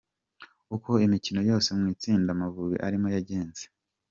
Uko imikino yose yo mu itsinda Amavubi arimo yagenze.